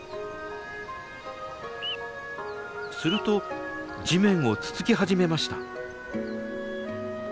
すると地面をつつき始めました。